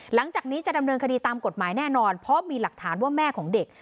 หลังจากนี้จะดำเนินคดีตามกฎหมายแน่นอนเพราะมีหลักฐานว่าแม่ของเด็ก